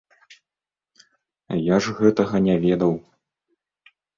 Я ж гэтага не ведаў.